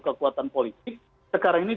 kekuatan politik sekarang ini